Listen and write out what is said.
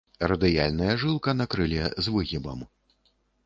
Радыяльная жылка на крыле з выгібам.